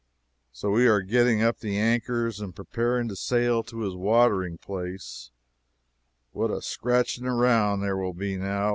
So we are getting up the anchors and preparing to sail to his watering place. What a scratching around there will be, now!